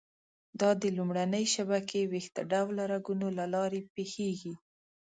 دا د لومړنۍ شبکې ویښته ډوله رګونو له لارې پېښېږي.